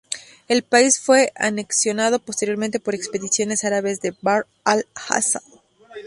El país fue anexionado posteriormente por expediciones árabes de Bahr al-Ghazal.